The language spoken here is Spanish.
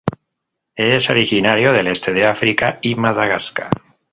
Es originario del este de África y Madagascar.